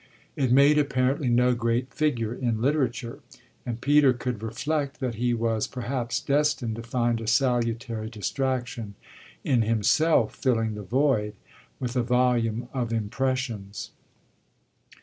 It made apparently no great figure in literature, and Peter could reflect that he was perhaps destined to find a salutary distraction in himself filling the void with a volume of impressions.